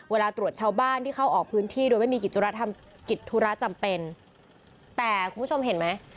เวลาตรวจชาวบ้านที่เข้าออกพื้นที่โดยไม่มีกิจธุระทำกิจธุระจำเป็นแต่คุณผู้ชมเห็นไหม